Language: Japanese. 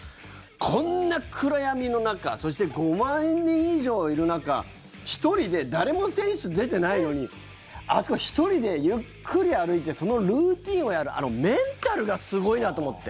こんな暗闇の中そして５万人以上いる中１人で、誰も選手出てないのにあそこ、１人でゆっくり歩いてそのルーティンをやる、あのメンタルがすごいなと思って。